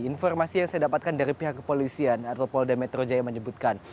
informasi yang saya dapatkan dari pihak kepolisian atau polda metro jaya menyebutkan